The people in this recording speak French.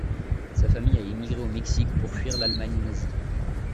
Sa famille a émigré au Mexique pour fuir l'Allemagne nazie.